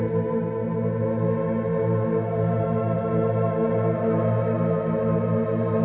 tidak ada yang bisa dikira